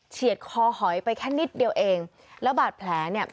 คอหอยไปแค่นิดเดียวเองแล้วบาดแผลเนี่ย